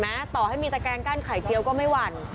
ที่ที่มีกระงกรรมไข่เจียวก็ไม่หวั่น